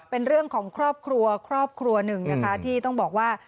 เป็นเรื่องของครอบครัวครอบครัวหนึ่งนะคะที่ต้องบอกว่า